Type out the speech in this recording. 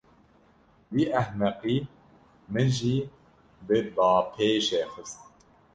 Vî ehmeqî min jî bi bapêşê xist.